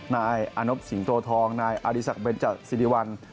นายอนพสิงตโธทองนายอดีศกเบชจะสิริวัล